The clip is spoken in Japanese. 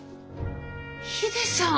ヒデさん！